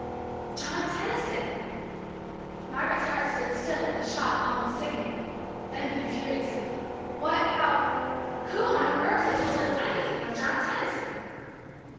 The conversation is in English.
John Tenison! Margaret's heart stood still with a shock almost sickening, then beat furiously. What how who on earth had told them anything of John Tenison?